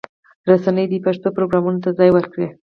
رسنۍ دې پښتو پروګرامونو ته ځای ورکړي.